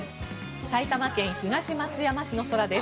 埼玉県東松山市の空です。